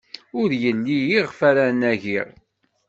Ur yelli iɣef ara nagi.